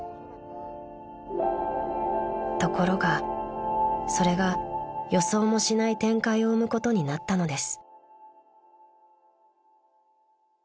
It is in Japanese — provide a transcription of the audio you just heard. ［ところがそれが予想もしない展開を生むことになったのです］